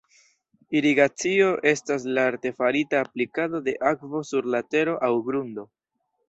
Irigacio estas la artefarita aplikado de akvo sur la tero aŭ grundo.